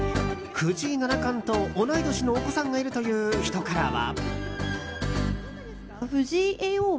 藤井七冠と同い年のお子さんがいるという人からは。